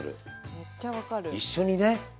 めっちゃ分かる。